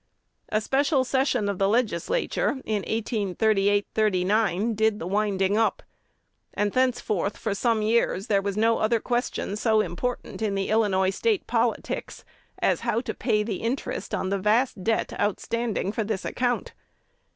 A special session of the Legislature in 1838 9 did the "winding up," and thenceforth, for some years, there was no other question so important in Illinois State politics as how to pay the interest on the vast debt outstanding for this account.